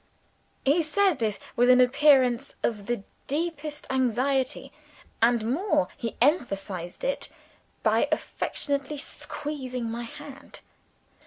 He said this with an appearance of the deepest anxiety and more, he emphasized it by affectionately squeezing my hand.